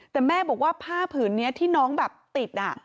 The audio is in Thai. แต่แม่บอกว่าผ้าผืนนี้ที่น้องแบบติด